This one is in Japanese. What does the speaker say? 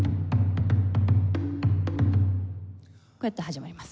こうやって始まります。